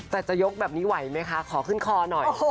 แต่จะยกแบบนี้ไหวไหมคะขอขึ้นคอหน่อย